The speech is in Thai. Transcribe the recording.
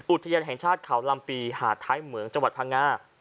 อุทยานแห่งชาติเขาลำปีหาดท้ายเหมืองจังหวัดพังงา